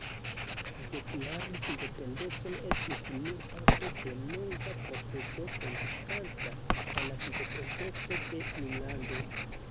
Deklari sendependecon estis nur parto de longa procezo kondukanta al la sendependeco de Finnlando.